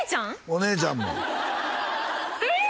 お姉ちゃんもええっ！？